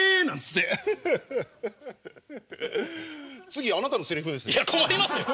次あなたのセリフですよ。